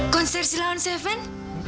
konser silawan seven